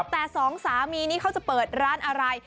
แต่สองสามีนี้เขาจะเปิดร้านอะไร